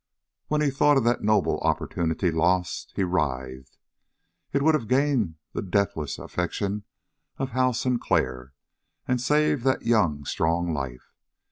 When he thought of that noble opportunity lost, he writhed. It would have gained the deathless affection of Hal Sinclair and saved that young, strong life.